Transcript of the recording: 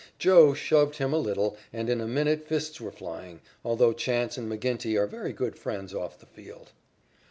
"Joe" shoved him a little, and in a minute fists were flying, although Chance and McGinnity are very good friends off the field.